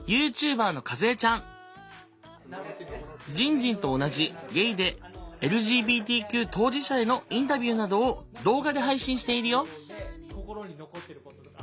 じんじんと同じゲイでＬＧＢＴＱ当事者へのインタビューなどを動画で配信しているよ。